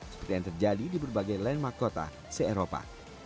seperti yang terjadi di berbagai landmark kota se eropa